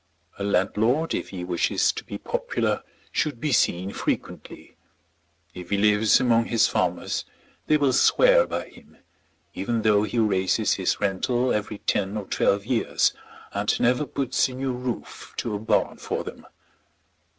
A landlord if he wishes to be popular should be seen frequently. If he lives among his farmers they will swear by him, even though he raises his rental every ten or twelve years and never puts a new roof to a barn for them.